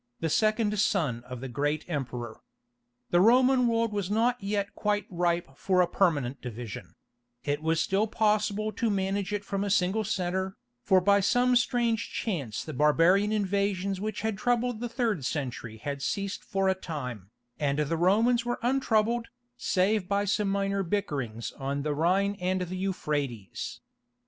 the second son of the great emperor. The Roman world was not yet quite ripe for a permanent division; it was still possible to manage it from a single centre, for by some strange chance the barbarian invasions which had troubled the third century had ceased for a time, and the Romans were untroubled, save by some minor bickerings on the Rhine and the Euphrates.